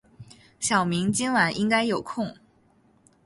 小明今晚应该有空。